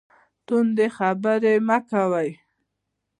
تندې خبرې مه کوئ